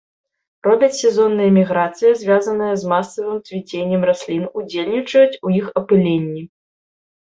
Робяць сезонныя міграцыі, звязаныя з масавым цвіценнем раслін, удзельнічаюць у іх апыленні.